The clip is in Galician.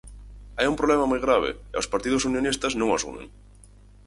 Hai un problema moi grave e os partidos unionistas non o asumen.